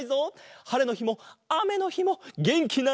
はれのひもあめのひもげんきなんだ！